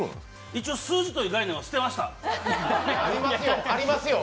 一応、数字という概念は捨てました。